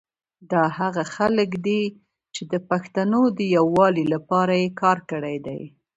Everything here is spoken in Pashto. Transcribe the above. دا هغه خلګ دي چي د پښتونو د یوالي لپاره یي کار کړي دی